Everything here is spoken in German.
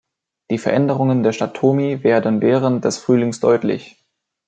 Die Veränderungen der Stadt Tomi werden während des Frühlings deutlich.